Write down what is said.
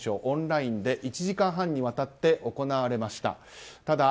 オンラインで１時間半にわたって行われました。